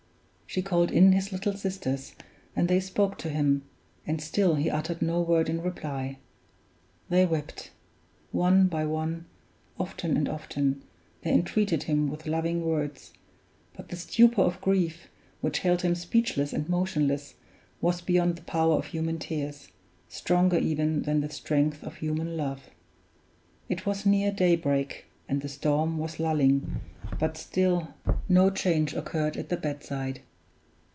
She called in his little sisters, and they spoke to him, and still he uttered no word in reply. They wept. One by one, often and often, they entreated him with loving words; but the stupor of grief which held him speechless and motionless was beyond the power of human tears, stronger even than the strength of human love. It was near daybreak, and the storm was lulling, but still no change occurred at the bedside.